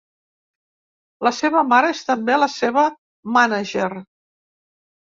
La seva mare és també la seva mànager.